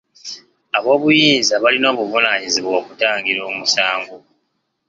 Aboobuyinza balina obuvunaanyizibwa okutangira omusango.